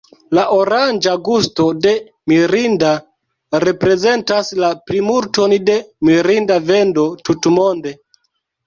La oranĝa gusto de "Mirinda" reprezentas la plimulton de Mirinda vendo tutmonde.